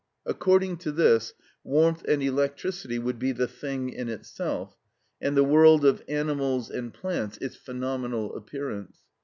According to this, warmth and electricity would be the "thing in itself," and the world of animals and plants its phenomenal appearance.